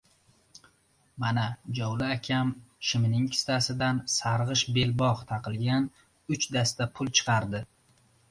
— Mana! — Jovli akam shimining kissasidan sarg‘ish belbog‘ taqilgan uch dasta pul chiqardi.